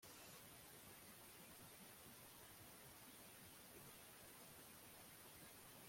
john, umuhungu muremure mu ishuri ryacu, bamwitaga mr high